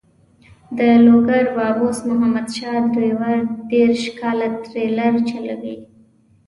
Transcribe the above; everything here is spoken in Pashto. د لوګر بابوس محمد شاه ډریور دېرش کاله ټریلر چلوي.